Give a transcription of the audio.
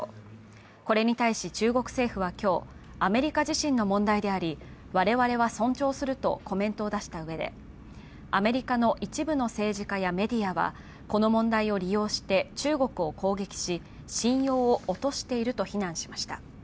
これに対し、中国政府は今日、アメリカ自身の問題であり我々は尊重するとコメントを出したうえで、アメリカの一部の政治家やメディアはこの問題を利用して中国を攻撃し、信用を落としていると非難しました。